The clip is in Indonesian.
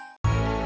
aku sudah berhenti